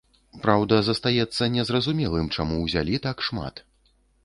Праўда, застаецца незразумелым, чаму ўзялі так шмат.